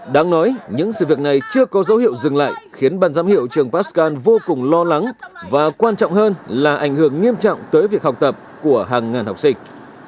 đáng nói những sự việc này chưa có dấu hiệu dừng lại khiến ban giám hiệu trường pastcan vô cùng lo lắng và quan trọng hơn là ảnh hưởng nghiêm trọng tới việc học tập của hàng ngàn học sinh